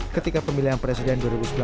ketika pemilihan presiden dua ribu sembilan belas